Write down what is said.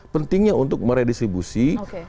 pentingnya untuk meredistribusi